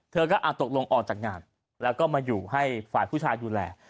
เธอก็ตกลงออกจากงานแล้วก็มาอยู่ให้ฝ่ายผู้ชายดูแล